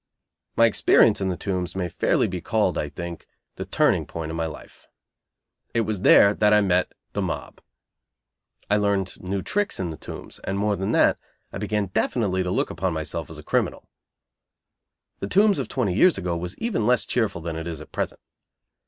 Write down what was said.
My experience in the Tombs may fairly be called, I think, the turning point of my life. It was there that I met "de mob". I learned new tricks in the Tombs; and more than that, I began definitely to look upon myself as a criminal. The Tombs of twenty years ago was even less cheerful than it is at present.